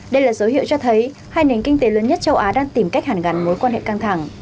đây là dấu hiệu cho thấy hai nền kinh tế lớn nhất châu á đang tìm cách hàn gắn mối quan hệ căng thẳng